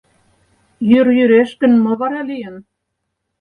— Йӱр йӱреш гын, мо вара лийын?